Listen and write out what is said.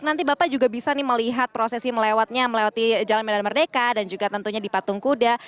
nanti bapak juga bisa melihat prosesi melewati jalan medan merdeka dan juga tentunya di patung kuda